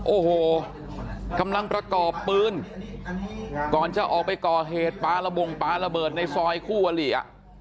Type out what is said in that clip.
โอ้โหกำลังประกอบปืนก่อนจะออกไปก่อเหตุปลาระบงปลาระเบิดในซอยคู่วลีอ่ะ